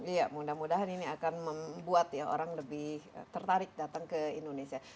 iya mudah mudahan ini akan membuat ya orang lebih tertarik datang ke indonesia